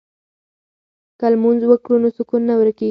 که لمونځ وکړو نو سکون نه ورکيږي.